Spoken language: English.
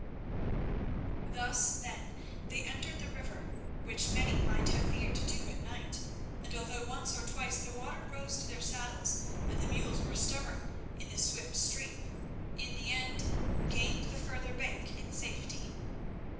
Thus, then, they entered the river, which many might have feared to do at night, and, although once or twice the water rose to their saddles and the mules were stubborn in the swift stream, in the end gained the further bank in safety.